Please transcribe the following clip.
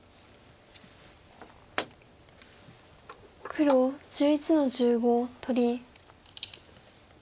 黒１１の十五取り。